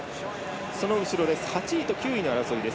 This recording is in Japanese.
その後ろ８位と９位の争いです。